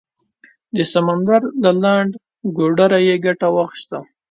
د سمندر له لنډ ګودره یې ګټه واخیسته.